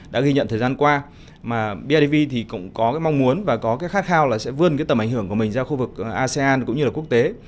đã ghi nhận thời gian qua mà bidv thì cũng có cái mong muốn và có cái khát khao là sẽ vươn cái tầm ảnh hưởng của mình ra khu vực asean cũng như là quốc tế